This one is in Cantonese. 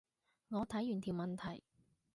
我睇完條問題